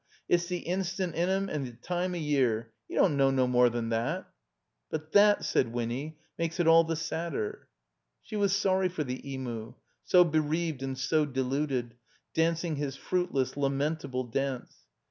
It's the instint in 'im and the time of year. 'E don't know no more than that." "But that," said Wiony, "makes it all the sad der." She was sorry for the Emu, so bereaved and so deluded, dancing his fruitless, lamentable dance.